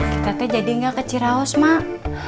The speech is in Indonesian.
kita tadi nggak ke ciraus mak